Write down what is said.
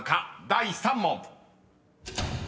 第３問］